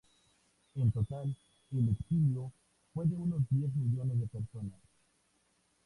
En total, el exilio fue de unos diez millones de personas.